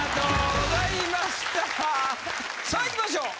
さあいきましょう。